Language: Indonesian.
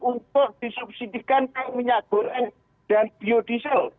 untuk disubsidikan ke minyak goreng dan biodiesel